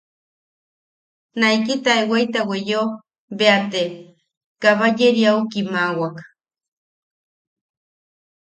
Naiki taewata weyeo bea, te Kabayeriau kimaʼawak.